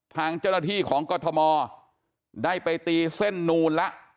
ทางเจ้าหน้าที่ของกรทมได้ไปตีเส้นนูนแล้ว